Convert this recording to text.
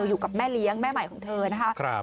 อยู่กับแม่เลี้ยงแม่ใหม่ของเธอนะคะ